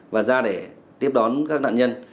và ra để tiếp đón các nạn nhân